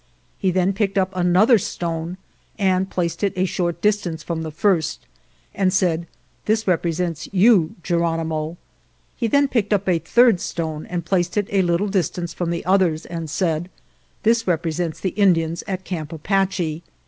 He then picked up another stone and placed it a short distance from the first, and said, ' This represents you, Geronimo.' He then picked up a third stone and placed it a little distance from the others, and said, ' This represents the Indians at Camp Apache.